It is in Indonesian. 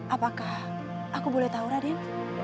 apakah aku boleh tahu raden